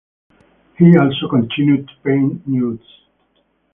He also continued to paint nudes.